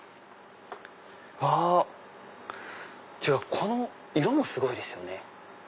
この色もすごいですよね。